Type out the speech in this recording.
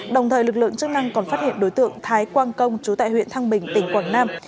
đồng thời lực lượng chức năng còn phát hiện đối tượng thái quang công chú tại huyện thăng bình tỉnh quảng nam